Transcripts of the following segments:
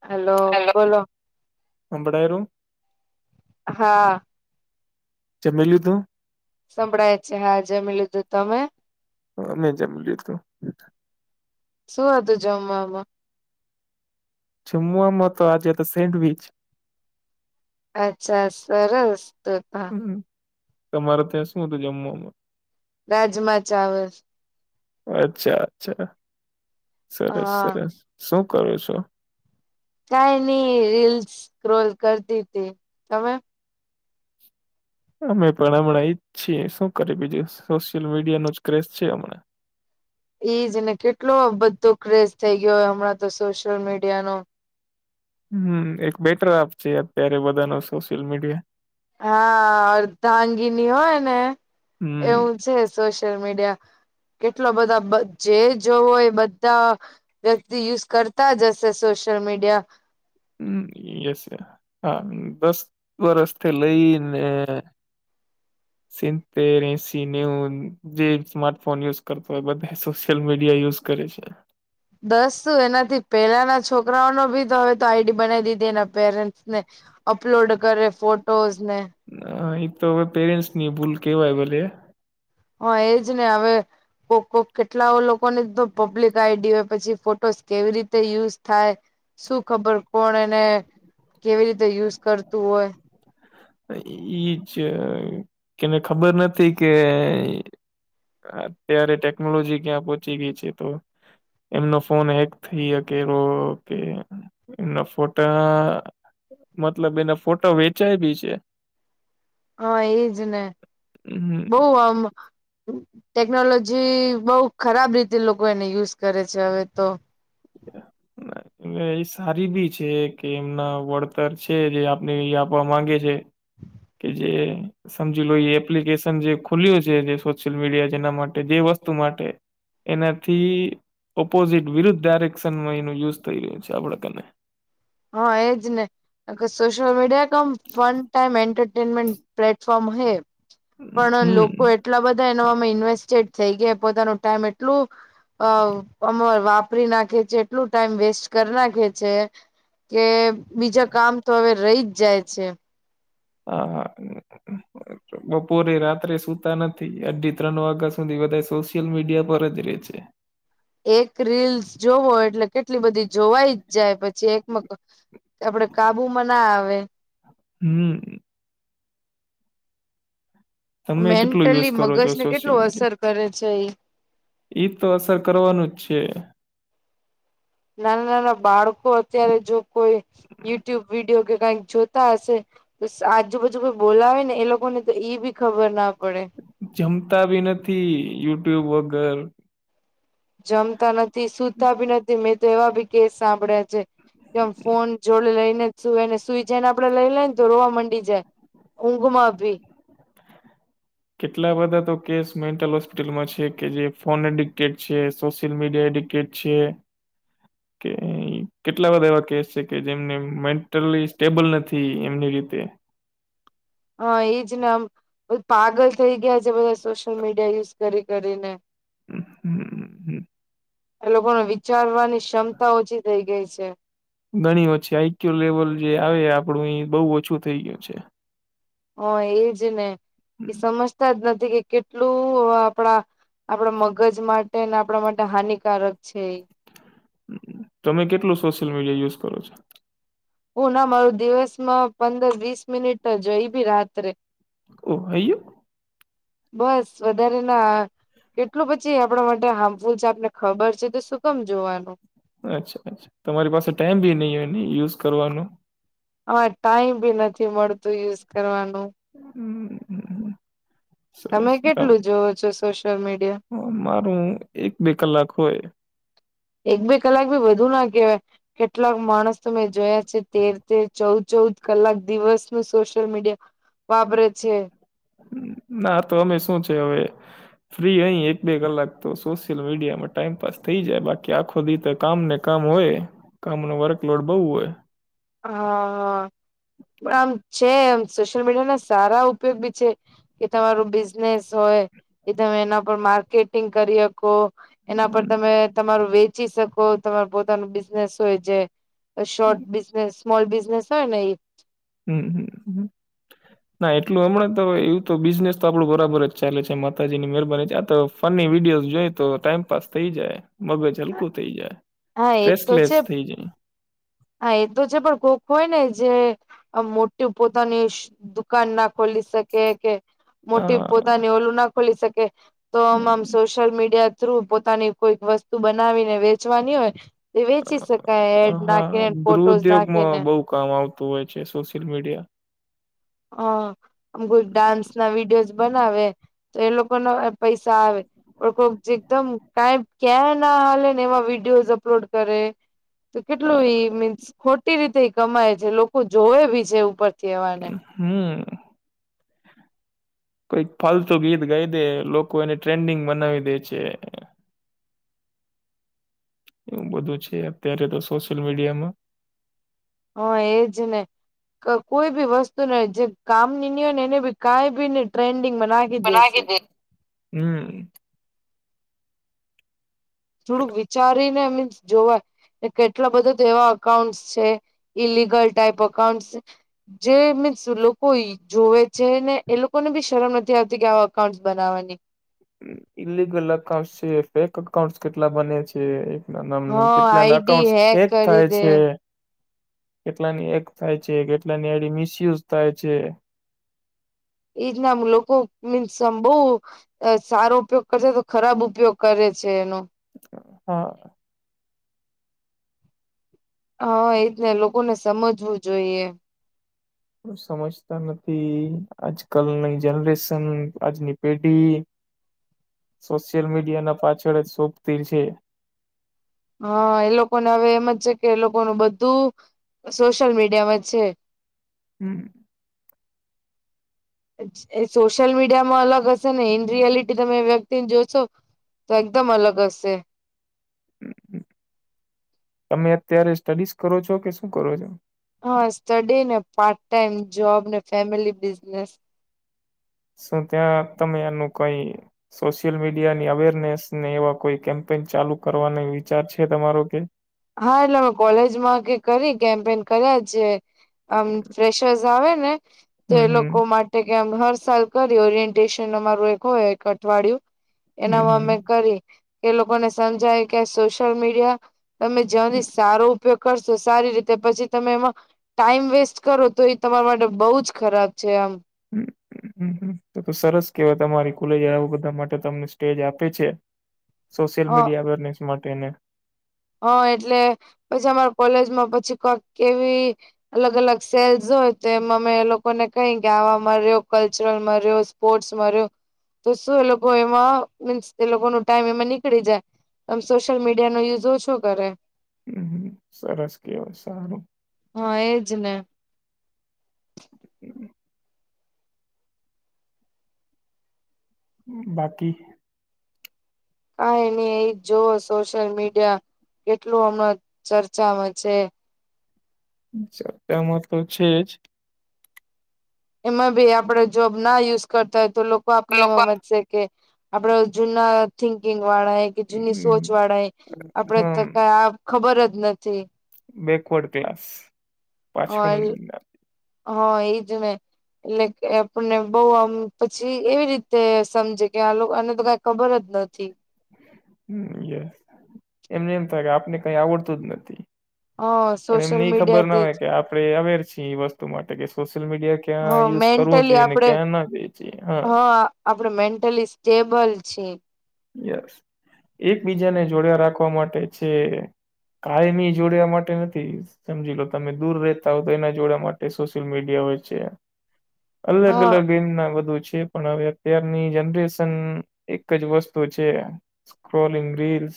Hello hello. બોલો સંભળાયેલું હા. જમી લીધું સંભળાય જ છે હા જમી લીધું તમે હા મે જમી લીધું શું હતું જમવામાં જમવામાં આજે તો સેન્ડવીચ અચ્છા સરસ તો ત હમ્મ તમારે ત્યાં શું હતું જમવામા રાજમાં ચાવલ અચ્છા અચ્છા સરસ હા સરસ શું કરો છો? કાય નય રીલ્સ સ્ક્રોલ કરતી તી તમે અમે પણ હમણાં ઇઝ છીએ શું કરી બીજું સોશિયલ મીડિયા નો જ ક્રેઝ છે હમણાં એઈજ ને કેટલો બધો ક્રેઝ થઈ ગયો હમણાં તો સોશિયલ મીડિયા નો હમ્મ એક બેટર હાફ છે અત્યારે બધા નો સોશિયલ મીડિયા હા અર્ધાંગિની હોય ને હમ એવું છે સોશિયલ મીડિયા કેટલા બધા જે જોવોય બધા વ્યક્તિ યુઝ કરતા જ હશે સોશિયલ મીડિયા હમ્મ યસ હે હા દસ વરષથી લઈને સીતેર એસી નેઉ જે સ્માર્ટ ફોન યુઝ કરતો હોય બધા સોશિયલ મીડિયા યુઝ કરે છે. દસું એનાથી પેલાના છોકરાઓનો ભી તો હવે તો આઈડી બનાવી દીધી એના પેરેન્ટ્સને અપલોડ કરે ફોટોઝ ને ઇતો હવે પેરેન્ટસ ની ભૂલ કેવાય ભલે હ એજ ને હવે કો કો કેટલા લોકોને તો પબ્લિક આઈડી હોય પછી ફોટોસ કેવી રીતે યુઝ થાય શું ખબર કોણ એને કેવી રીતે યુઝ કરતું હોય ઇજ છે કેને ખબર નથી કે અત્યારે ટેકનોલોજી ક્યાં પહોંચી ગઈ છે તો એમનો ફોન હેક થઈ શકે કે નો થાય શકે એના ફોટા મતલબ એનો ફોટા વેચાય બી છે. [inaudible] હા એજ ને હમ બોવ આમ ટેકનોલોજી બઉ ખરાબ રીતે લોકો એને યુઝ કરે છે હવે તો એટલે એ સારી બી છે કે એમના વળતર છે જે આપને એ આપવા માંગે છે. કે જે સમજી લો એ એપ્લિકેશન જે ખુલ્યું છે જે સોશિયલ મીડિયા જેના માટે જે વસ્તુ માટે એનાથી ઓપોઝિટ વિરુદ્ધ ડાયરેક્શનમાં એનું યુઝ થઈ રહ્યું છે આપડે તને હા એજ ને નકર social media cum fun time entertainment platform હે પણ હમ લોકો એ એટલા બધા એનામાં ઇન્વેસ્ટેડ થઈ ગયા પોતાનું ટાઈમ એટલું અ અમ વાપરી નાખે છે એટલું ટાઈમ વેસ્ટ કર નાખે છે. કે બીજા કામ તો હવે રહી જ જાય છે. હા હા [inaudible] બપોરે રાત્રે સુતા નથી અઢી ત્રણ વાગ્યા સુધી બધા સોશિયલ મીડિયા પર જ રે છે. એક રિલ્સ જોવો એટલે કેટલી બધી જોવાઈ જ જાય પછી એકમક આપડે કાબુમાં ના આવે હમ તમે કેટલું યુઝ મેન્ટલી કરો છો મગજને સોશિયલ કેટલું અસર મીડિયા? કરે છે એ ઈ તો અસર કરવાનું જ છે. નાના નાના બાળકો અત્યારે જો કોઈ યુટ્યુબ વિડીયો કે કઈક જોતા હશે આજુબાજુ કોઈ બોલાવે ને એ લોકોને તો ઈ બી ખબર ના પડે. જમતા બી નથી યુટ્યુબ વગર. જમતા નથી સુતા બી નથી મેં તો એવા બી કેસ સાંભળ્યા છે. કેમ ફોન જોડે લઈને જ સુવે ને સુઈ જાય ને આપડે લઈ લઈ ને તો રોવા માંડી જાય. ઉંઘ માં ભી. કેટલા બધા તો કેસ મેન્ટલ હોસ્પિટલમાં છે કે જે ફોન એડિક્ટેડ છે સોશિયલ મીડિયા એડિક્ટ કેટ છે. કે કેટલા બધા એવા કેસ છે કે જેમને મેન્ટલી સ્ટેબલ નથી એમની રીતે હ એજ ને અમ પાગલ થઈ ગયા છે બધા સોશિયલ મીડિયા યુઝ કરી કરી કરીને. હમ હમ એ લોકોની વિચારવાની ક્ષમતા ઓછી થઈ ગઈ છે. ઘણી ઓછી આઈક્યુ લેવલ જે આવે આપણું એ બહુ ઓછું થઈ ગયું છે. હ એ જ ને એ સમજતા જ નથી કે કેટલું આપડા આપડા મગજ માટે ને આપડા માટે હાનિકારક છે એ. તમે કેટલું સોશિયલ મીડિયા યુઝ કરો છો? હું ના મારું દિવસમાં પંદર વીસ મિનિટ જ હોય એ ભી રાત્રે ઓ હાઈ યો બસ વધારે ના કેટલું પછી આપડા માટે હાર્મફુલ છે આપને ખબર છે તો શું કમ જોવાનું. અચ્છા અચ્છા તમારી પાસે ટાઈમ ભી ની હોય યુઝ કરવાનો. હા ટાઈમ બી નથી મળતું યુઝ કરવાનું. હમ સરસ તમે કેટલું જોવો છો સોશિયલ મીડિયા? હ મારું એક બે કલાક હોય. એક બે કલાક ભી વધુ ના કેવાય કેટલાક માણસ ત મે જોયા છે તેર તેર ચૌદ ચૌદ કલાક દિવસ ન સોશિયલ મીડિયા વાપરે છે. ના તો અમે શું છે હવે ફ્રી રહીએ એક બે કલાક તો સોશિયલ મીડિયામાં ટાઈમપાસ થઈ જાય બાકી આખો દી તો કામને કામ હોય કામનું વર્કલોડ બહુ હોય હા હા પણ આમ છે એમ સોશિયલ મીડિયા ના સારા ઉપયોગ બી છે. કે તમારું બિઝનેસ હોય કે તમે એના પર માર્કેટિંગ કરી હકો. એના પર તમે તમારું વેચી શકો તમારું પોતાનું બિઝનેસ હોય જે. શોર્ટ બિઝનેસ સ્મોલ બિઝનેસ હોય ને એ. હમ હમ હ ના એટલું હમણાં તો એવું તો બિઝનેસ તો આપણું બરાબર જ ચાલે છે માતાજી ની મહેરબાની છે આ તો ફની વિડીયોઝ જોઈ તો ટાઈમપાસ થઇ જાય. મગજ હલકું થઈ જાય, હા એ તો સટ્રેસલેસ છે થઇ જાય. હા એ તો છે પણ કોખ હોય ને જે આ મોટી પોતાની દુકાન ના ખોલી શકે કે, મોટી હા પોતાની ઓલું ના ખોલી શકે તો આમ અમ, આમ. સોશિયલ મીડિયા થ્રુ પોતાની કોઈક વસ્તુ બનાવીને વેચવાની હોય. તે વેચી શકાય એ ના. હા ગૃહ ઉદ્યોગ માં બહુ કામ આવતું હોય છે. સોશિયલ મીડિયા હ આમ કોઈ ડાન્સ ના વિડીયોઝ બનાવે તો એ લોકો ન પૈસા આવે. ક એકદમ ક ક્યાં ના ને એમાં વિડીયોઝ અપલોડ તો કેટલું મીન્સ ખોટી રીતે કમાય છે. લોકો જોવે બી છે ઉપરથી એવાને હ. કઈક ફાલતુ ગીત ગાઈ દે લોકો એને ટ્રેન્ડિંગ બનાવી દે છે. એવું બધું છે. અત્યારે તો સોશિયલ મીડિયામાં હ એજ ને. કોઈ બી વસ્તુ ને જે કામ ની ન હોય ને એને બી કઈ બી ને ટ્રેન્ડિંગમાં નાખ ચના હમ થોડુંક વિચારીને મીન્સ જોવાય કેટલા બધા એવા અકાઉન્ટસ છે. ઈલગલ ટાઈપ અકાઉન્ટ ‍ જે લોકો એ જોવે છે ને એ લોકો ને બી શરમ નથી આવતી કે આ અકાઉન્ટ બનાવવાની. ઇલિગલ અકાઉન્ટ છે ફેક અકાઉંન્ટ કેટલા બને છે. મમ હા કેટલાને આઈડી અકાઉન્ટ હેક કરી થાય દે છે. કેટલાની એક થાય છે, કેટલાની એડી મિસયુઝ થાય છે. એીનામ લોકો મીન્સ બહ સારો ઉપયોગ કરશે તો ખરાબ ઉપયોગ કરે છે. એનો હા હા એ જ ને લોકો ને સમજવું જોઈએ. સમજતા નથી. આજ કલની જનરેશન આજની પેઢી સોશિયલ મીડિયા ના પાછળ જ શોભતી છે. હા એ લોકોને હવે એમ જ છે, કે એ લોકોનું બધું સોશિયલ મીડિયામાં છે. હમ. એ સોશિયલ મીડિયા માં અલગ હશે ને ઈન રિયાલિટી તમે એ વ્યક્તિને જોશો તો એકદમ અલગ હશે. તમે અત્યારે સ્ટડીસ કરો છો કે શું કરો છો. હા સ્ટડી ને પાર્ટ ટાઈમ જોબ ને ફેમિલી બિઝનેસ શું ત્યાં તમે એનું કઈ સોશિયલ મીડિયાની અવેરનેસ ને એવા કોઈ કેમ્પેન ચાલુ કરવાનો વિચાર છે તમારો કે? હા એટલે અમે કોલેજમાં કે કરી કેમ્પેન કર્યા છે. આમ ફેશ આવે ને તો એ હમ લોકો માટે કેમ હર સાલ કરી ઓરિએન્ટેશન અમારું એક હોય એક અઠવાડિયું હમ એનામાં હમ અમે કરી એ લોકોને સમજાયી કે સોશિયલ મીડિયા તમે હમ જની સારો ઉપયોગ કરશો સારી રીતે પછી તમે એમાં ટાઈમ વેસ્ટ કરો તો એ તમારા માટે બહુ જ ખરાબ છે. આમ હમ. હમ તો સરસ કહેવાય તમારી કોલેજ આવું બધા માટે તમને સ્ટેજ આપે છે સોશિયલ હ મીડિયા અવેરનેસ માટે ને હ એટલે પછી અમારે કોલેજમાં પછી કક કેવી અલગ અલગ સેલ્સ હોય તો એમાં અમે એ લોકોને કહી કે આવા માં રેયો કલ્ચરલમાં રેયો સ્પોર્ટસ માં રહ્યો તો શું એ લોકો એમાં મીન્સ એ લોકો નો ટાઈમ એમાં નીકળી જાય તો સોશિયલ મીડિયા નો યુઝ ઓછો કરે હમ હમ. સરસ કહેવાય સારું હા એજ ને બાકી કાઈ નહી એ જોવો સોશિયલ મીડિયા કેટલું હમણા ચર્ચામાં છે ચર્ચા માં તો છે જ એમાં ભી આપણે જોબ ના યુઝ કરતા હોય તો લોકો આપને એવું હમજ શે કે આપણે જૂના થિંકિંગ વાળા હે કે જૂની સોચ હમ વાળા હે આપણેે તો હમ કાઈ આવ ખબર જ નથી બેકવર્ડ ક્લાસ પાછળ હોલ હા એજ ને એટલે કે આપણને બહુ આમ પછી એવી રીતે સમજે કે આ લોકા ને તો કાંઈ ખબર જ નથી હમ એમને એમ થાય કે આપને કંઇ આવડતું જ નથી હાશ પણ એમને એ ખબર ના હોય કે આપણે અવેર છીએ એ વસ્તુ માટે કે સોશિયલ મીડિયા હા ક્યાં યુઝ કરવું મેન્ટલી જોઈએ ને ક્યાં ના જઈ છે એ હા આપણે મેન્ટલી સ્ટેબલ છીએ યસ એકબીજાને જોડયા રાખવા માટે છે કાયમી જોડ્યા માટે નથી સમજી લો તમે દૂર રહેતા હો તો એના જોડવા માટે સોશિયલ મીડિયા હોય છે અલગ હા અલગ એ મ ના બધું છે પણ હવે અત્યારની જનરેશન એક જ વસ્ત તું છે સ્ક્રોલિંગ રીલ્સ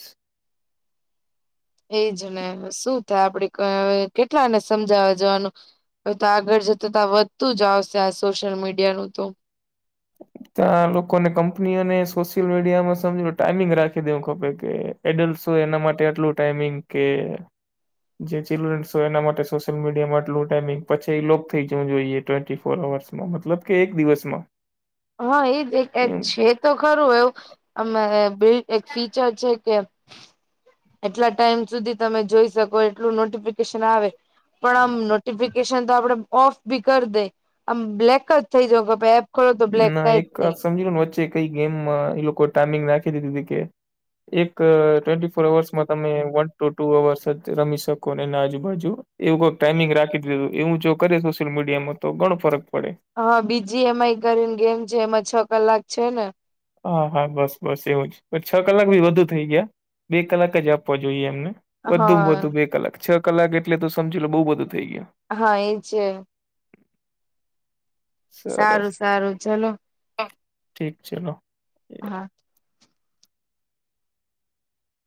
એજ ને શું થાય આપણે ક કેટલાને સમજાવવા જવાનું હવે તો આગળ જતા તો આ વધતું જ આવશે આ સોશિયલ મીડિયાનું તો ત્યાં લોકોને કંપનીઓને સોશિયલ મીડિયામાં સમજો ટાઈમિંગ રાખી દેવું ખપે કે એડલ્ટશ હોય એના માટે એટલું ટાઈમિંગ કે જે ચિલ્ડ્રનસ હોય એના માટે સોશિયલ મીડિયામાં આટલું ટાઈમિંગ પછી લોક થઈ જવું જોઈએ ટ્વેન્ટી ફોર અવર્સ મતલબ કે એક દિવસમાં હા એ જ એક એમ છે તો ખરું એવું અમે બે એક ફીચર છે કે એટલા ટાઈમ સુધી તમે જોઈ શકો એટલું નોટિફિકેશન આવે પણ આમ નોટિફિકેશન તો આપણે ઓફ ભી કરી દે આમ બ્લેક જ થઈ જવો ખપે એપ ખોલો તો બ્લેક ના કઈ એક જ નહી આ સમજી લો ને વચ્ચે કઈ ગેમમાં એ લોકો ટાઈમિંગ નાખી દીધી તી કે એક અ ટ્વેન્ટી ફોર અવર્સમાં તમે વન ટુ ટુ અવર્સ જ રમી શકોને એના આજુબાજુ એવું કઈક ટાઈમિંગ રાખી દીધી એવું જો કરે સોશિયલ મીડિયામાં તો ઘણો ફરક પડે હા બીજી એમ આઈ કરીને ગેમ છે એમાં છ કલાક છે ને હા હા બસ બસ એવું જ છ કલાક ભી વધુ થઈ ગયા બે કલાક જ આપવા જોઈએ એમને વધુ માં વધુ હા બે કલાક છ કલાક એટલે તો સમજી લો બહુ બધું થઈ ગયા હા એ છે સરસ સારું સારું ચલો ઠીક છે ના હા